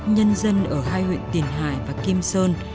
nhân dân ở hai huyện tiền hải và kim sơn